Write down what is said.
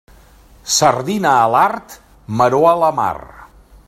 Sardina a l'art, maror a la mar.